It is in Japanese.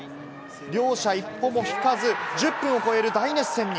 両者一歩も引かず、１０分を超える大熱戦に。